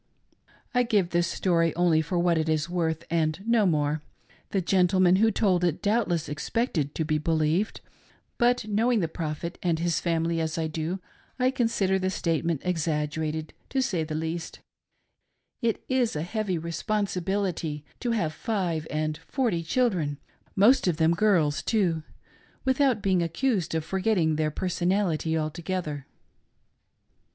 I give this story only for what it is worth and no more. The gentleman who told it doubtless expected to be believed ; but knowing the Prophet and his family, as I do, I consider the statement exaggerated, to say the least It is a heavy responsibility to have five and forty children — most of them girls, too — without being accused of forgetting their person ality altogether.